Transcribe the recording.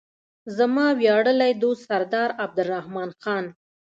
زما ویاړلی دوست سردار عبدالرحمن خان.